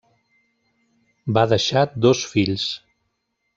Va deixar dos fills.